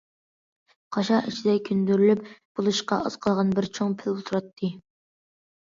قاشا ئىچىدە كۆندۈرۈلۈپ بولۇشقا ئاز قالغان بىر چوڭ پىل تۇراتتى.